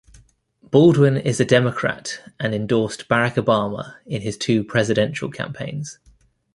Baldwin is a Democrat and endorsed Barack Obama in his two presidential campaigns.